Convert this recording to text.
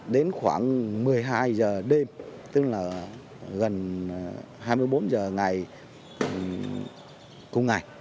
đến khoảng một mươi hai giờ đêm tức là gần hai mươi bốn h ngày cùng ngày